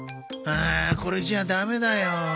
ああこれじゃダメだよ。